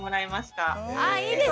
あいいですね！